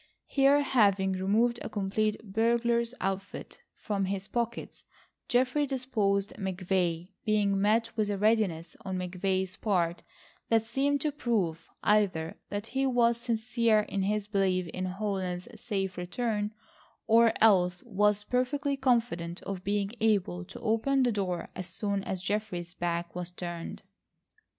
Here, having removed a complete burglar's outfit from his pockets, Geoffrey disposed McVay, being met with a readiness on McVay's part that seemed to prove either that he was sincere in his belief in Holland's safe return, or else was perfectly confident of being able to open the door as soon as Geoffrey's back was turned.